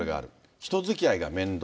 人づきあいが面倒。